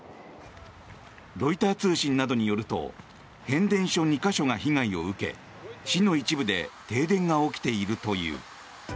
ロイター通信などによると変電所２か所が被害を受け市の一部で停電が起きているという。